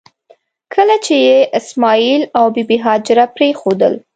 کله چې یې اسماعیل او بي بي هاجره پرېښودل.